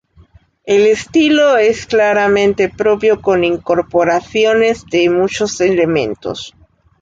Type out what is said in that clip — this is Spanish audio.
El estilo es claramente propio con incorporaciones de muchos elementos.